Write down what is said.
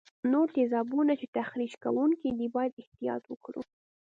نور تیزابونه چې تخریش کوونکي دي باید احتیاط وکړو.